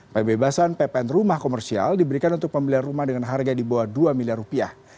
pembebasan ppn rumah komersial diberikan untuk pembelian rumah dengan harga di bawah dua miliar rupiah